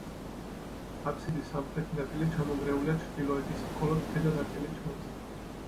აბსიდის სამხრეთი ნაწილი ჩამონგრეულია, ჩრდილოეთის მხოლოდ ქვედა ნაწილი ჩანს.